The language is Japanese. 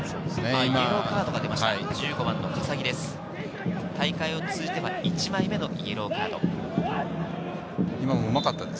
イエローカードが出ました、１５番・笠置です。